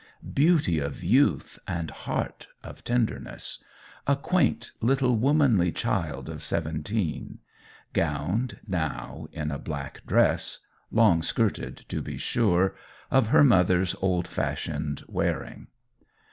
Beauty of youth and heart of tenderness: a quaint little womanly child of seventeen gowned, now, in a black dress, long skirted, to be sure! of her mother's old fashioned wearing.